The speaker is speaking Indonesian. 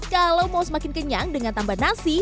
kalau mau semakin kenyang dengan tambah nasi